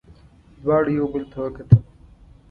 دواړو یو بل ته وکتل.